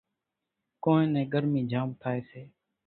ڪونئين نين ڳرمِي جھام ٿائيَ سي۔